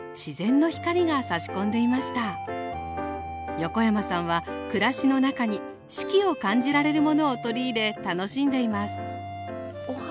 横山さんは暮らしの中に四季を感じられるものを取り入れ楽しんでいますお花。